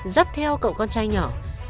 dắt theo cậu con trai nhỏ